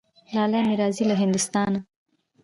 لالی مي راځي له هندوستانه